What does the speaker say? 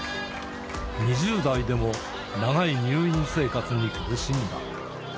２０代でも長い入院生活に苦しんだ。